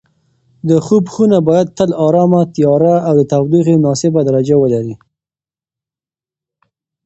د خوب خونه باید تل ارامه، تیاره او د تودوخې مناسبه درجه ولري.